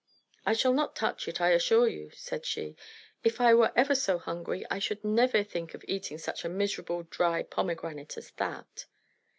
"I shall not touch it, I assure you," said she. "If I were ever so hungry, I should never think of eating such a miserable, dry pomegranate as that."